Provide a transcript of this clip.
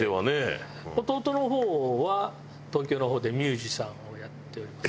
弟の方は東京の方でミュージシャンをやっております。